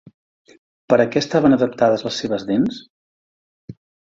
Per a què estaven adaptades les seves dents?